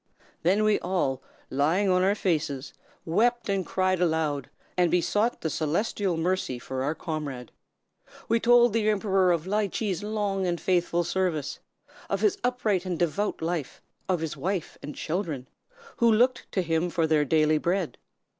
"Then we all, lying on our faces, wept and cried aloud, and besought the celestial mercy for our comrade. We told the Emperor of Ly Chee's long and faithful service; of his upright and devout life; of his wife and children, who looked to him for their daily bread.